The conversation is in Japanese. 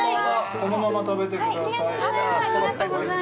◆このまま食べてください。